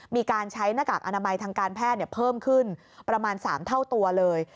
มีการใช้หน้ากากอนามัยทางการแพทย์เพิ่มขึ้นประมาณ๓เท่าตัวเลย